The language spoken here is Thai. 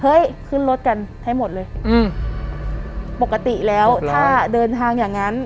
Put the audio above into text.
ขึ้นรถกันให้หมดเลยอืมปกติแล้วถ้าเดินทางอย่างงั้น